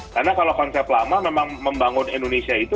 karena kalau konsep lama memang membangun indonesia itu